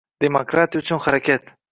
demokratiyaga uchun harakat